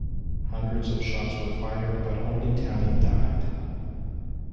Hundreds of shots were fired, but only Talley died.